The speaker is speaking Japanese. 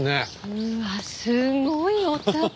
うわっすごいお宅！